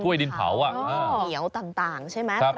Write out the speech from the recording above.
ดินเผาเขียวต่างใช่ไหม